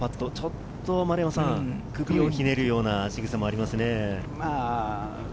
ちょっと丸山さん、首をひねるようなしぐさもありますね。